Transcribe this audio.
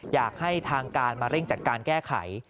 อยากให้ทางการมาเร่งจัดการแก้ไข